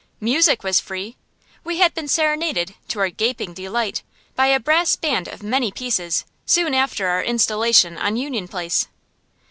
Music was free; we had been serenaded, to our gaping delight, by a brass band of many pieces, soon after our installation on Union Place.